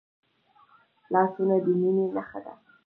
لاسونه د میننې نښه ده